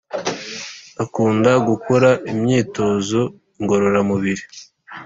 akunda gukora imyitozo ngorora mubiri